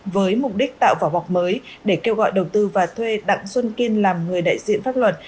với mục đích tạo vỏ bọc mới để kêu gọi đầu tư và thuê đặng xuân kiên làm người đại diện pháp luật